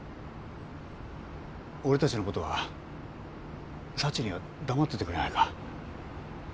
俺たちのことは幸には黙っててくれないか。